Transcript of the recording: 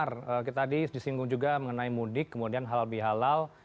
benar tadi disinggung juga mengenai mudik kemudian halal bihalal